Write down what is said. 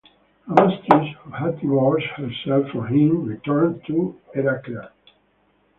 Amastris, who had divorced herself from him, returned to Heraclea.